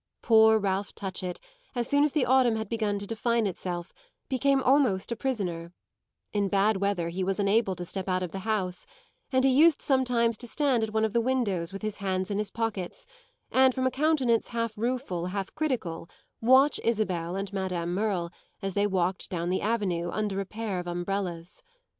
Poor Ralph Touchett, as soon as the autumn had begun to define itself, became almost a prisoner; in bad weather he was unable to step out of the house, and he used sometimes to stand at one of the windows with his hands in his pockets and, from a countenance half rueful, half critical, watch Isabel and Madame Merle as they walked down the avenue under a pair of umbrellas.